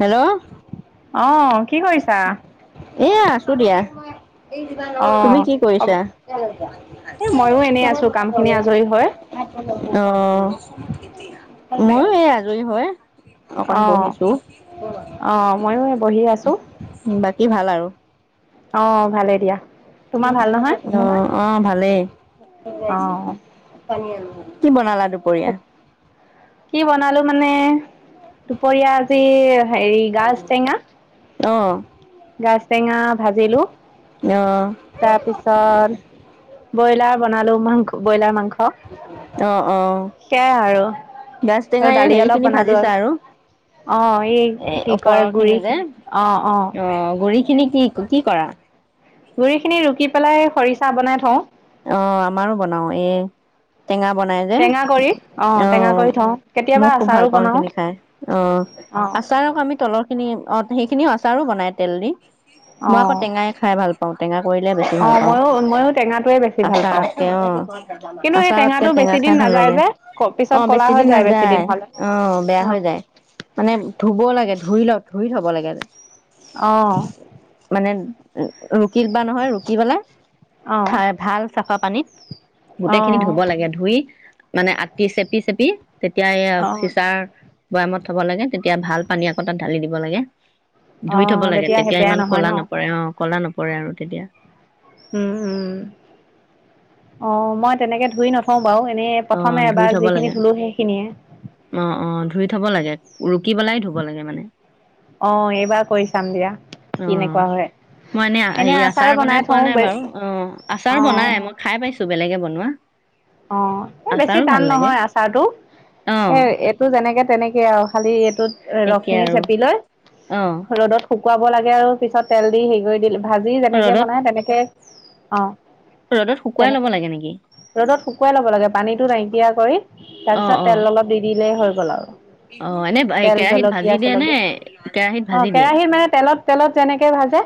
Hello. অ', কি কৰিছা? এয়া। আছো দিয়া। তুমি অ', কি হ'ব কৰিছা? এই ময়ো এনেই আছো কাম খিনি আজৰি হৈ। অ' ময়ো এয়া। আজৰি হৈ অকণ অ', বহিছো অ'। ময়ো এই বহি আছো। বাকী ভাল আৰু? অ' ভালে দিয়া। তোমাৰ ভাল নহয়? অ' অ' ভালেই। অ', কি বনালানো? কি বনালো মানে? দুপৰীয়া আজি হেৰি গাজটেঙা। অ'। গাজটেঙা ভাজিলো। অ' তাৰপিছত, ব্ৰইলাৰ বনালো। মাংস-ব্ৰইলাৰ মাংস। অ' অ' সেয়াই আৰু, গাজ টেঙাৰ আৰু এই দালি হেৰি অলপ খিনি বনালো ভাজিছা আৰু। অ' এই এ কি ওপৰৰ কয় গুৰি, অ' অ'। গুৰিখিনি কি কৰা? গুৰিখিনি ৰুকি পেলাই খৰিচা বনাই থওঁ। অ' আমাৰো বনাও। এ টেঙা বনাই যে, টেঙা কৰি টেঙা অ' কৰি থওঁ মই কেতিয়াবা খুব ভাল আচাৰো পাওঁ বনাওঁ সেইখিনি খাই। অ' অ আচাৰক আমি তলৰখিনি অ' সেইখিনিও আচাৰো বনায় তেল দি। অ মই আকৌ টেঙাই খাই ভাল পাওঁ, টেঙা কৰিলে বেছি অ ভাল পাওঁ। ময়ো ময়ো টেঙাটোৱে বেছি ভাল পাওঁ আচাৰতকে অ'। কিন্তু এই আচাৰতকে টেঙাটো বেছি টেঙা দিন খাই ভাল নাযায় লাগে। যে পিছত অ' ক'লা বেছি হৈ দিন যায় নাযায়, হ'লে অ' বেয়া অ হৈ যায়। মানে ধুব লাগে। ধুই ল- ধুই থ'ব লাগে। অ'। [unintelligible] ৰুকিবা নহয়! ৰুকি পেলাই, অ ঠাই ভাল খোৱা পানীত অ গোটেইখিনি ধুব লাগে। ধুই মানে, আকি চেপি চেপি। তেতিয়া এইয়া অ চিচাৰ। বৈয়ামত থব লাগে, তেতিয়া ভাল পানী আকৌ তাত ঢালি দিব লাগে। অ ধুই থব লাগে, সেই তেতিয়া বেয়া ইমান নহয় ক'লা ন নপৰে অ কলা নপৰে। নপৰে আৰু তেতিয়া। উম উম। অ, মই তেনেকে ধুই নথও। অ, ধুই থব লাগে সেইখিনিয়ে অ অ ধুই থব লাগে ৰুকি পেলাই ধু। ধুব লাগে মানে। অ, এইবাৰ কৰি চাম দিয়া। অ, কেনেকুৱা হয় মই এনেই এই আচাৰ বনাই পোৱা নাই বাৰু অ আচাৰ অ বনাই মই খাই পাইছো। বেলেগে বনোৱা। অ, এই বেছি আচাৰো টান ভাল লাগে নহয় আচাৰটো, অ এ এইটো যেনেকে তেনেকেই আৰু খালি এইটোত। এ, একে ৰসখিনি আৰু চেপি লৈ অ ৰ'দত। শুকুৱাব লাগে আৰু পিছত তেল দি হেৰি কৰি দিলো। ভাজি যেনেকে ৰ'দত বনাই তেনেকে। অঁ। ৰ'দত শুকুৱাই ল'ব লাগে নেকি? লাগ পানীতো নাইকিয়া কৰি, অ তাৰপিছত অ তেল অলপ দি দি। হৈ গ'ল আৰু। অ এনে তেল কেৰাহীত ভাজি জলকীয়া দিয়ে নে চকীয়া, কেৰাহীত অ ভাজি দিয়ে কেৰাহিত মানে তেলত তেলত যেনেকে ভাজে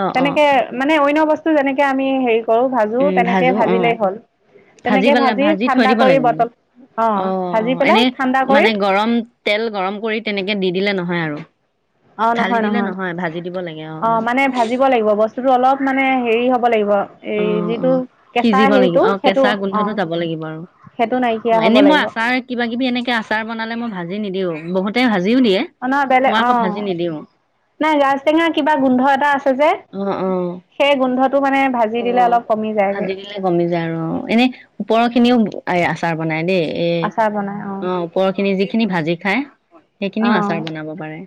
অ অ তেনেকে মানে অইন। বস্তু যেনেকে আমি হেৰি। কৰো ভাজো উম তেনেকে ভাজো অ ভাজিলেই হ'ল। ভাজি তেনেকে পাল ভাজি থৈ ঠাণ্ডা দিব কৰি লাগে মানে? বটল অ অ ভাজি পেলাই এনে ঠাণ্ডা কৰি মানে গৰম তেল গৰম কৰি তেনেকে দি দিলে নহয়। আৰু। অ, ঢালি নহয় দিলে নহয় ভাজি দিব লাগে অ মানে ভাজিব লাগিব বস্তুটো অলপ মানে। হেৰি হ'ব লাগিব। অ এই অ, যিটো কেঁচা সিজিব লাগিব হেৰিটো অ সেইটো কেঁচা অ গোন্ধটো যাব লাগিব আৰু। সেইটো অ নাইকিয়া হ'ব এনেই মই লাগিব আচাৰ কিবা কিবি এনেকে আচাৰ বনালে মই ভাজি। ভাজি নিদিও বহুতে ভাজি। ভাজিও দিয়ে অ, ন মই বেলেগ অ আকৌ নিদিও নাই ৰাজটেঙাৰ কিবা গোন্ধ এটা আছে যে অ অ সেই গোন্ধ। অ, ভাজি দিলে কমি যায় আৰু অ এনে ওপৰৰ খিনিও আছে। আৰ বনাই দেই। এ আচাৰ বনাই অ ওপৰৰখিনি যিখিনি ভাজি খাই, সেইখিনিও আচাৰ অ বনাব পাৰে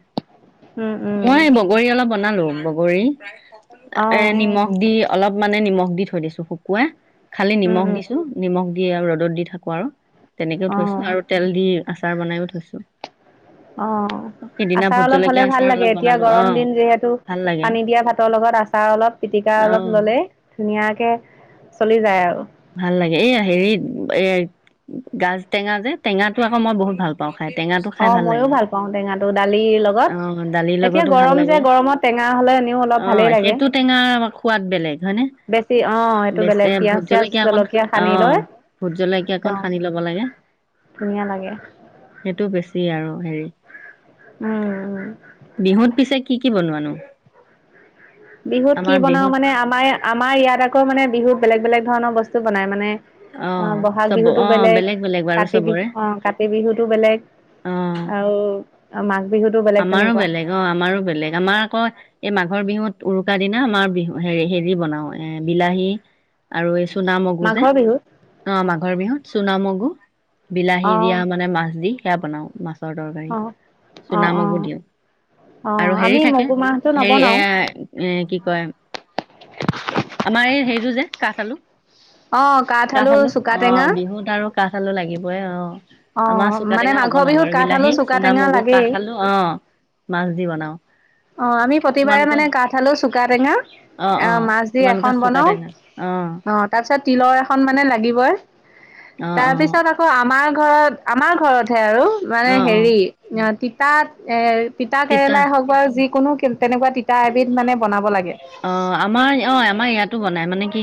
উম উম মই বগৰী অলপ বনালো। বগৰী। এ আহ নিমখ দি। অলপ মানে নিমখ দি থৈ দিছো শুকুৱো। খালি উম নিমখ উম দিছো নিমখ। দি আৰু ৰ'দত দি থাকো আৰু। তেনেকেও আহ থৈছো আৰু তেল দি। আচাৰ বনাইও থৈছো। অঁ, সিদিনা আচাৰ ভোট অলপ হলে জলকীয়া ভাল আচাৰ লাগে অলপ এতিয়া বনালো অ গৰম দিন যিহেতু ভাল লাগে পানী দিয়া ভাতৰ লগত আচাৰ অলপ পিটিকা অ অলপ ললে। ধুনীয়া। চলি যায় আৰু। ভাল লাগে এই হেৰিত এ গাজ টেঙা যে, টেঙাতটো আকৌ মই বহুত ভাল পাওঁ। খাই টেঙাটো খাই অঁ, মইও লাগে ভাল পাওঁ টেঙাটো দালিৰ লগত অ দালিৰ এতিয়া লগতো ভাল গৰম যে লাগে গৰমত টেঙা হলে এনেও অলপ অ ভালেই লাগে সেইটো টেঙা সোৱাদ বেলেগ হয়নে বেছি অঁ, এইটো বেচ বেলেগ পিয়াজ। ভোট চিয়াজ জলকীয়া অকন অ সানি লৈ ভোট জলকীয়া অকণ একদম সানি লব লাগে ধুনীয়া লাগে সেইটো বেছি। আৰু হেৰি। উম। বিহুত পিছে কি কি বনোৱানো? বিহুত কি আমাৰ বনাও বিহুত মানে আমাৰ আমাৰ ইয়াত আকৌ মানে বিহুত, বেলেগ বেলেগ ধৰণৰ বস্তু বল বনাই মানে। অ অঁ, বহাগ চব বিহুতো অ বেলেগ বাৰু কাতি চবৰে বিহুতো অঁ, কাতি বিহুতো বেলেগ অ আও অঁ, মা আমাৰো বেলেগ অঁ, আমাৰো বেলেগ আমাৰ আকৌ এই মাঘৰ বিহুত। উৰুকা দিনা আমাৰ বিহু হে হেৰি বনাও এ বিলাহী আৰু এই চুনা মগু যে, মাঘৰ বিহুত অঁ, মাঘৰ বিহু চুনা মগু বিলাহী অ দিয়া মানে মাছ দি। সেইয়া বনাও মাছ। ৰৰ তৰকাৰী। অ অ অ চুনামগো দিওঁ অ আৰু হেৰি আমি থাকে মগু মাহটো হেৰি এ নবনাও -এ কি কয় আমাৰ এই হেৰিটো যে কাঠ আলু। অ কাঠ আলু চুকা অঁ, টেঙা বিহুত আৰু কাঠ আলু লাগিবই অঁ। অঁ, মানে মাঘৰ বিহুত কাঠ আলু, চুকা টেঙা চুনামগু লাগে। কাঠ আলু অ মাছ দি বনাও। অঁ, আমি প্ৰতিবাৰে তোমালোকৰ মানে কাঠ আলু, চুকা টেঙা অ অ আৰু মাছ দি তোমালোকে এখন চুকা বনাও টেঙা অ অঁ, তাৰপিছত তিলৰ এখন মানে লাগিবই অ অ তাৰপিছত আকৌ আমাৰ ঘৰত আমাৰ ঘৰত, আৰু মানে অ অ হেৰি তাত এ তিতা কেৰেলাই হওক বা যিকোনো কি তেনেকুৱা টি অ আমাৰ অ আমাৰ ইয়াতো বনাই মানে কি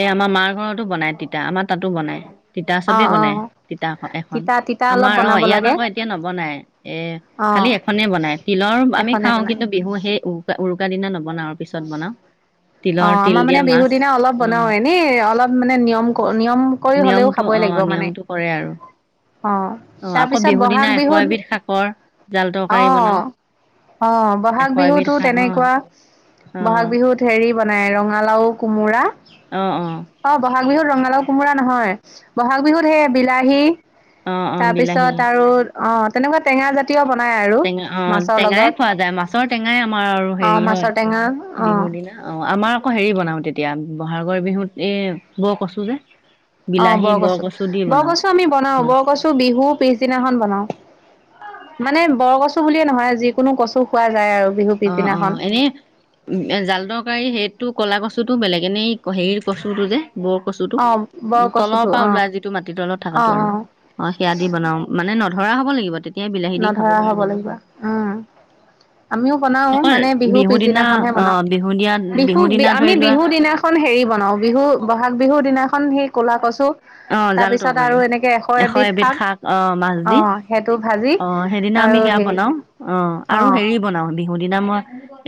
এ আমাৰ মাৰ ঘৰতো বনাই তিতা আমাৰ তাতো বনাই। তিতা অ', চবেই বনায় অ', তিতা এখন, তিতা তিতা অলপ আমাৰ অ বনাব ইয়াত লাগে আকৌ এতিয়া নবনায় এ খালী অ', এখনেই বনায় তিলৰ আমি এখনে খাওঁ। বনাই কিন্তু বিহু সেই উৰুকা দিনা নবনাও আৰু পিছত বনাওঁ। অ আমাৰ মানে বিহু দিনা অলপ বনাও এনে অলপ। মানে নিয়ম কৰ। নিয়ম কৰি হ'লেও নিয়মটো খাব অ লাগিব মানে, নিয়মটো কৰে আৰু অ অ তাৰ আকৌ পিছত বিহুৰ ব'হাগ দিনা এশ বিহুত এবিধ শাকৰ জাল তৰকাৰী অহ বনাও অহ ব'হাগ এশ এবিধ বিহুতো শাক অ তেনেকুৱা, অ ব'হাগ বিহুত হেৰি। বনাই ৰঙালাও, কোমোৰা। আহ অ। বিহুত ৰঙালাও চঙালাও নহয় বহাগ বিহুত সে বিলাহী। অ অ বিলাহী তাৰপিছত আৰু অ। তেনেকুৱা টেঙা জাতীয় ব টেঙা অ টেঙাই খোৱা যায় মাছৰ টেঙাই আমাৰ আৰু অ হেৰি হয় মাছৰ টেঙা অ বিহুৰ দিনা অ আমাৰ। অ হেৰি বনাও তেতিয়া বহাগৰ বিহুত এই বৰকচু যে অ বিলাহী বৰ বৰকচু, কচু দি বনাও বৰকচু আমি বনাও মাছ বৰকচু বিহু পিছ। দিনাখন বনাও, মানে বৰকচু বুলিয়ে নহয় যিকোনো কচু খোৱা যায় আৰু। বিহু অ অ পিছদিনাখন এনেই জাল তৰকাৰী সেইটো কলা কচু কচুটো বেলেগে নি হেৰি কচুটো যে বৰ কচুটোও অ তলৰ বৰকচুটো পৰা অ ওলাই যিটো মাটি তলত অ থকাতটো আৰু অ অ সেয়া দি বনাও মানে ন। ধৰা হ'ব লাগিব তেত। নধৰা হব লাগিব উম আমিও বনাও আকৌ মানে বিহু দিনা পিছদিনাখনহে অ বনাও বিহু দিয়া বিহু দিনা আমি ধৰি লোৱা বিহু দিনাখন হেৰি বনাও বিহু বহাগ বিহু। দিনা। এখন সেই ক'লা কচু, অ জাল তাৰপিছত তৰকাৰী আৰু এনেকৈ এশ এবিধ শাক অ সেইটো ভাজি। অ সেইদিনা আমি আৰু সেয়া হেৰি বনাও অ আৰু হেৰি বনাও বিহু দিনা মই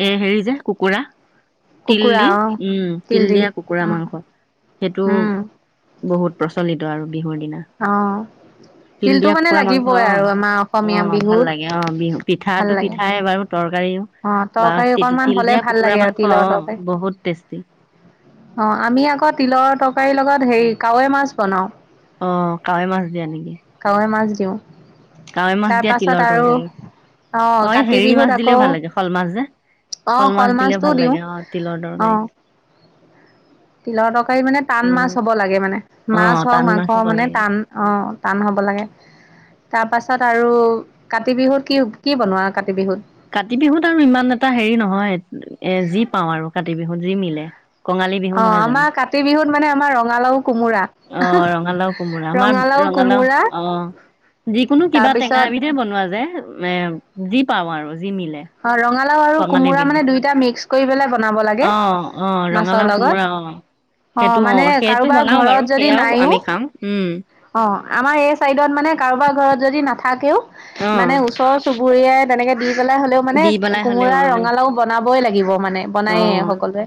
এ হেৰি যে কুকুৰা। তিল কুকুৰা দি, অ উম তিল দি দিয়া কুকুৰা উম মাংস সেইটো। উম বহুত প্ৰচলিত আৰু বিহুৰ দিনা অ তিল তিলটো দিয়া মানে কুকুৰা মাংস লাগিবই অ আৰু আমাৰ অসমীয়া অ ভাল বিহুত লাগে অ বিহু ভাল পিঠাটো লাগে পিঠাই বাৰু। তৰকাৰীও অ বা তৰকাৰী তি অকনমান তিল হ'লে দিয়া ভাল কুকুৰা লাগে আৰু মাংস তিলৰ অ তৰকাৰী বহুত টেষ্টি। অ আমি আকৌ তিলৰ তৰকাৰীৰ লগত হেৰি কাৱৈ মাছ বনাও। অ কাৱৈ মাছ দিয়া নেকি। কাৱৈ মাছ দিওঁ কাৱৈ মাছ তাৰ দিয়া তিলৰ পাছত আৰু তৰকাৰী অ আহ এই কাতি হেৰি মাছ বিহুত দিলেও আকৌ ভাল লাগে শল মাছ যে অ', শল মাছ দিলে মাছটোও ভাল দিওঁ লাগে অ তিলৰ তৰকাৰীত অ', তিলৰ তৰকাৰী মানে টান মাছ উম হ'ব লাগে মানে অ মাছ হওক টান মাছ মাংস হ'ব মানে লাগে টান আহ টান হ'ব লাগে তাৰ পাছত আৰু কাতি বিহুত কি কি বনোৱা কাতি বিহুত কাতি বিহুত আৰু ইমান এটা হেৰি নহয় এ যি পাওঁ আৰু কাতি বিহুত যি মিলে কঙালী বিহু অ নহয় জানো আমাৰ কাতি বিহুত মানে আমাৰ ৰঙালাও কোমোৰা অ ৰঙালাও কোমোৰা আমাৰ ৰঙালাও অ যিকোনো কিবা টেঙা তাৰপিছত এবিধে বনোৱা যে এ যি পাম আৰু যি মিলে অ ৰঙালাও আৰু কঙালী কোমোৰা মানে বিহুত দুয়োটা মিক্স কৰি পেলাই বনাব লাগে অ অ মাছৰ ৰঙালাও লগত কোমোৰা অ অ সেইটো মানে সেইটো কাৰোবাৰ বনাও বাৰু ঘৰত যদি সেয়াও আমি নাইও খাম হোম অ আমাৰ এই চাইডত মানে কাৰোবাৰ ঘৰত যদি নাথাকেও অ মানে ওচৰৰ চুবুৰীয়াই তেনেকে দি পেলাই হ'লেও মানে দি পেলাই হ'লেও কোমোৰা অ ৰঙালাও বনাব বই লাগিব মানে অ বনায়েই সকলোৱে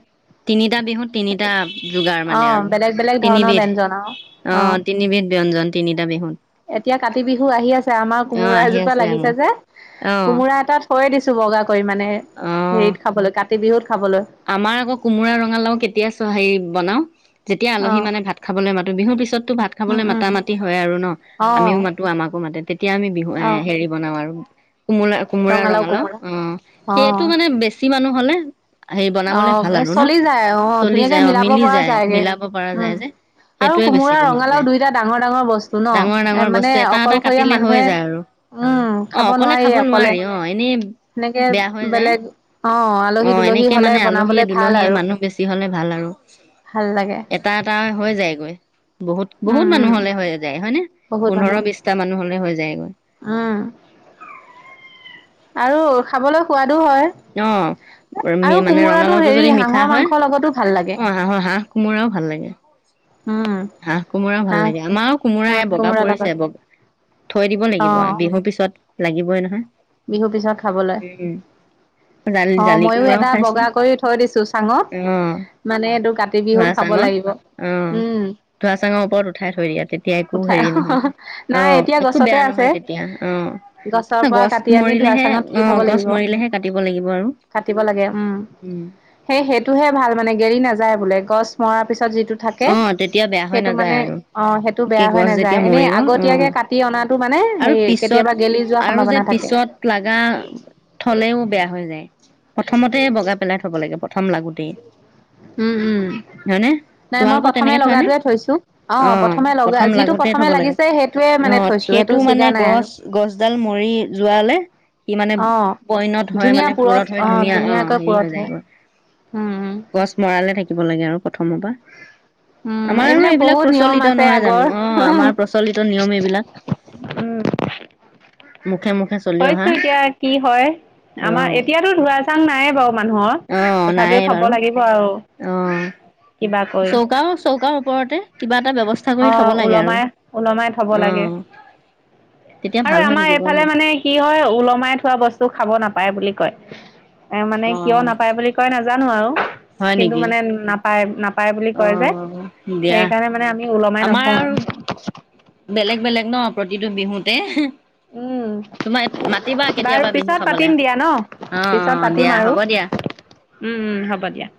তিনিটা বিহুত সেইটো তিনিটা যোগাৰ মানে অ', আৰু বেলেগ বেলেগ ধৰণৰ তিনিবিধ ব্যঞ্জন আৰু অ তিনিবিধ ব্যঞ্জন তিনিটা বিহুত এতিয়া কাতি বিহু আহি আছে আমাৰ অ কোমোৰা আহি এজোপা আছে আৰু লাগিছে যে অ কোমোৰা এটাত থয়ে দিছো বগা পৰিমাণে অ হেৰিত খাবলে কা কাতি বিহুত খাবলৈ আমাৰ আকৌ কোমোৰা ৰঙালাও কেতিয়া হেৰি বনাও যেতিয়া আলহী অ', মানে ভাত খাবলে মাতো বিহুৰ পিছতটো ভাত উম, খাবলৈ উম, মাতা মাতি হয় আৰু ন আমিও অ', মাতো আমাকো মাতে তেতিয়া আমি বিহু এ অ', হেৰি বনাও বাৰু কোমোৰা কোমোৰা ৰঙালাও অ সেইয়টো অ', মানে বেছি মানুহ হ'লে হেৰি অ বনাবলে ভাল আৰু ন চলি যায় আহ চলি ধুনীয়াকে যায় অ মিলাব মিলি পৰা যায় যায়গে মিলাব পৰা উম যায় যে আৰু সেইটোৱে বেছি কোমোৰা বনোৱা ৰঙালাও যায় দুয়োটা ডাঙৰ ডাঙৰ বস্তু ন ডাঙৰ এ ডাঙৰ মানে বস্তু এটা এটা অকলশৰীয়া কাটিলে হৈ মানুহে যায় আৰু উম অ খাব অকলে নোৱাৰিয়ে অকলে নোৱাৰি অ এনেই সেনেকে বেয়া হৈ যায় বেলেগ অ অ আলহী দুলহী এনেকে হয় মানে আলহীয়ে দুলহীয়ে মানুহ বেছি হলে ভাল আৰু ভাল লাগে এটা এটা হৈ যায়গৈ বহুত বহুত উম, মানুহ উম, হলে হৈ যায় হয় নে? বহুত পোন্ধৰ মানুহ বিশটা মানুহ হলে হৈ যায়। উম আৰু খাবলৈ সোৱাদ অ আৰু কোমোৰাটো হেৰি হাঁহৰ মাংসৰ লগতো ভাল লাগে। অঁ হাঁহৰ হাঁহ কোমোৰাও ভাল লাগে। উম, হাঁহ কোমোৰা ভাল হাঁহ লাগে আমাৰো কোমোৰা হাঁহ এই বগা কোমোৰাৰ লগত পৰিছে বগা থৈ দিব লাগিব অ', বিহুৰ পিছত লাগিবই নহয় বিহুৰ পিছত খাবলৈ উম জালি অঁ জালি ময়ো কোমোৰাও এটা খাইছো বগা কৰি থৈ দিছো অ চাঙত মানে এইটো কাতি ধোৱা বিহুত খাব চাঙত লাগিব অ উম ধোৱা চাঙৰ ওপৰত উঠাই থৈ দিয়া তেতিয়া একো উঠাই হেৰি নহয় নাই এতিয়া অঁ একো গছতে বেয়া আছে নহয় তেতিয়া গছৰ অঁ পৰা গছ কাটি আনি ধোঁৱা মৰিলেহে চাঙত তুলি অ থব গছ লাগিব মৰিলেহে কাটিব লাগিব আৰু কাটিব লাগে উম উম সেই সেইটোহে ভাল মানে গেলি নাযায় বোলে গছ মৰাৰ পিছত যিটো থাকে অ তেতিয়া বেয়া হৈ সেইটো নাযায় মানে আৰু অঁ সেইটো একে বেয়া হৈ গছ নাযায় যেতিয়া এনে মৰিব অ আগতীয়াকে কাটি অনা মানে আৰু সেই পিছত কেতিয়াবা গেলি যোৱাৰ আৰু যে সম্ভাৱনা থাকে। পিছত লগা থলেও বেয়া হৈ যায় প্ৰথমতে বগা পেলাই থব লাগে। প্ৰথম লাগোতেই উম উম হয়নে নাই মই তোমালোকৰ প্ৰথমে তেনেকে থোৱা নে লগাটোৱে থৈছো অঁ অ প্ৰথমে লগা প্ৰথম যিটো লাগোতে প্ৰথমে লাগিছে সেইটোৱে মানে থৈছো সেইটো মানে মানে ছিগা নাই আৰু গছ ডাল মৰি যোৱা কলে সি মানে অ', পইনত হয় ধুনীয়া মানে পুৰঠ হয় ধুনীয়া অ ধুনীয়াকৈ হেৰি পুৰঠ হৈ হয়। যায়গৈ উম, গছ মৰালে থাকিব লাগে আৰু প্ৰথমৰ পৰা উম, আমাৰ এইবিলাক বহুত নিয়ম প্ৰচলিত আছে নহয় জানো আগৰ। অঁ আমাৰ প্ৰচলিত নিয়ম এইবিলাক মুখে মুখে চলি অহা থৈছো এতিয়া কি হয় আমাৰ অ' এতিয়াতো ধুৱা চাং নাইে বাৰু মানুহৰ অ' নাই তথাপিও থব বাৰু লাগিব আৰু অ' অঁ চৌকাও চৌকাৰ ওপৰতে কিবা এটা ব্যৱস্থা কৰি থব লাগে আৰু ওলমাই ওলমাই থব লাগে অ' তেতিয়া আৰু ভাল হৈ আমাৰ থাকিব ন এইফালে মানে কি হয় ওলমাই থোৱা বস্তু খাব নাপায় বুলি কয় এ মানে কিয় অ' নাপায় বুলি কয় নাজানো আৰু হয় কিন্তু নেকি মানে নাপায় পায় বুলি কয় যে অ' দিয়া সেইকাৰণে মানে আমি ওলমাই আমাৰ নথওঁ আৰু বেলেগ বেলেগ ন প্ৰতিটো বিহুতে উম তোমাৰ মাতিবা বাৰু কেতিয়াবা বিহু পিছত খাবলে পাতিম দিয়া ন অ' পিছত অ' পাতিম দিয়া আৰু হ'ব দিয়া। উম হ'ব দিয়া